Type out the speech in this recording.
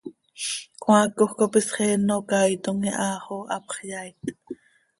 Cmaacoj cop isxeen oo caaitom iha xo hapx yaait.